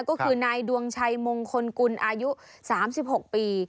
ก็คือนายดวงชัยมงคลกุลอายุ๓๖ปี